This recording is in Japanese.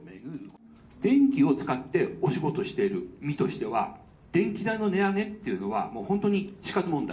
電気を使ってお仕事をしている身としては、電気代の値上げっていうのは、本当に死活問題。